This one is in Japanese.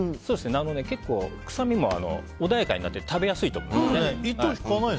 結構、臭みも穏やかになって食べやすいと思いますね。